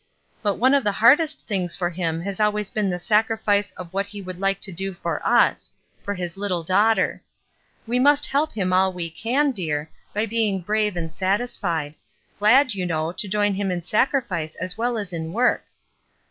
But one of the hardest things for him has always been the sacrifice of M 12 ESTER RIED'S NAMESAKE what he would Uke to do for us — for his little daughter. We must help him all we can, dear, by being brave and satisfied; glad, you know, to join him in sacrifice as well as in work."